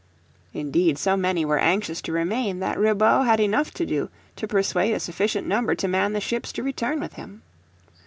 Indeed so many were anxious to remain that Ribaut had enough to do to persuade a sufficient number to man the ships to return with him.